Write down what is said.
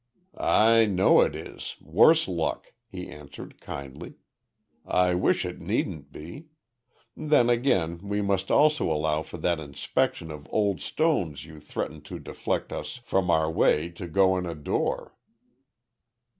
"I know it is, worse luck," he answered, kindly, "I wish it needn't be. Then again, we must also allow for that inspection of `old stones' you threatened to deflect us from our way to go and adore."